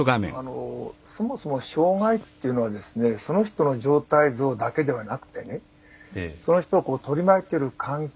そもそも障害っていうのはその人の状態像だけではなくてその人を取り巻いている環境。